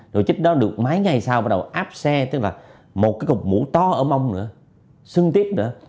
rồi chiếc đó được mấy ngày sau bắt đầu áp xe tức là một cái cục mũ to ở mông nữa sưng tiếp nữa